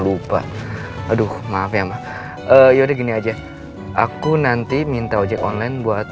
lupa aduh maaf ya mbak yaudah gini aja aku nanti minta ojek online buat